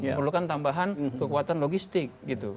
memerlukan tambahan kekuatan logistik